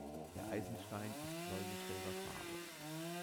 Der Eisenstein ist bläulich-gelber Farbe.